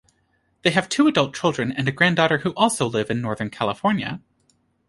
They have two adult children and a granddaughter who also live in Northern California.